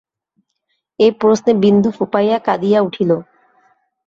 এ প্রশ্নে বিন্দু ফুপাইয়া কাঁদিয়া উঠিল।